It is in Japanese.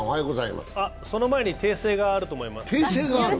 その前に訂正があると思います。